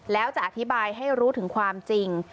แล้วจะอธิบายให้รู้ถึงความจริง